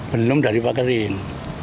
belum dari pakerin